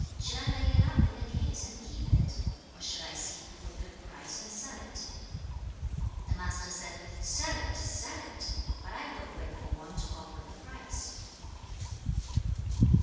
Should I lay it up in a case and keep it? or should I seek for a good price and sell it?' The Master said, 'Sell it! Sell it! But I would wait for one to offer the price.'